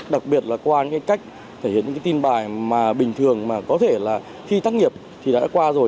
đặc biệt là qua những cách thể hiện những tin bài bình thường mà có thể là khi tắt nghiệp thì đã qua rồi